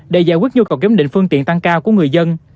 để giải quyết nhu cầu kiếm định phương tiện tăng cao của người dân